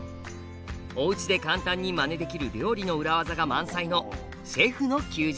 おうちで簡単にまねできる料理の裏技が満載の「シェフの休日」。